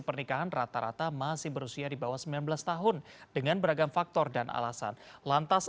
pernikahan rata rata masih berusia di bawah sembilan belas tahun dengan beragam faktor dan alasan lantas